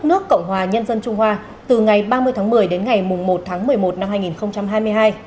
nước cộng hòa nhân dân trung hoa từ ngày ba mươi tháng một mươi đến ngày một tháng một mươi một năm hai nghìn hai mươi hai